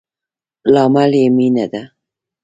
لامل يي مينه ده